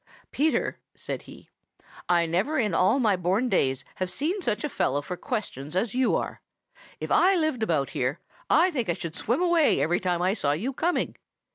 "Peter," said he, "I never in all my born days have seen such a fellow for questions as you are. If I lived about here, I think I should swim away every time I saw you coming.